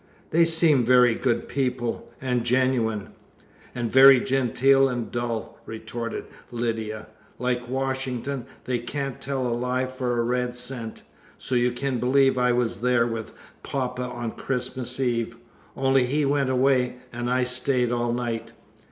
"They seem very good people, and genuine." "And very genteel and dull," retorted Lydia. "Like Washington, they can't tell a lie for a red cent; so you can believe I was there with poppa on Christmas Eve, only he went away, and I stayed all night."